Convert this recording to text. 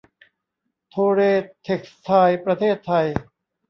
โทเร เท็กซ์ไทล์ ประเทศไทย